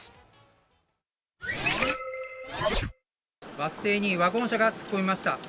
バス停にワゴン車が突っ込みました。